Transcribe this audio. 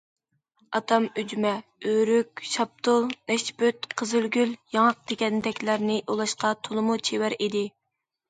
ئاتام ئۈجمە، ئۆرۈك، شاپتۇل، نەشپۈت، قىزىلگۈل، ياڭاق دېگەندەكلەرنى ئۇلاشقا تولىمۇ چېۋەر ئىدى.